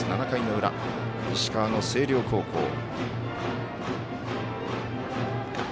７回の裏石川の星稜高校。